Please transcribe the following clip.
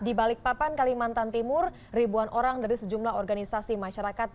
di balikpapan kalimantan timur ribuan orang dari sejumlah organisasi masyarakat